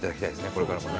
これからもね。